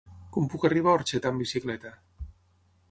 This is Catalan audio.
Com puc arribar a Orxeta amb bicicleta?